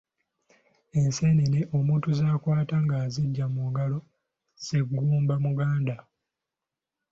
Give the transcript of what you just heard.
Enseenene omuntu z’akwata ng’aziggya mu ngalo ze gumba Muganda.